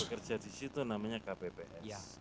orang yang bekerja di situ namanya kpps